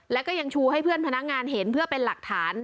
แล้วก็ยังชูให้เพื่อนพนักงานเห็นเพื่อเป็นหลักฐาน